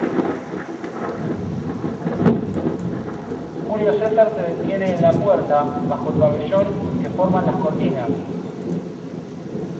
julio César se detiene en la puerta, bajo el pabellón que forman las cortinas: